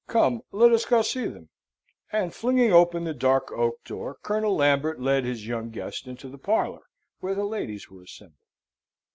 Come, let us go see them," and, flinging open the dark oak door, Colonel Lambert led his young guest into the parlour where the ladies were assembled.